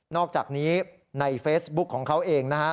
อกจากนี้ในเฟซบุ๊คของเขาเองนะฮะ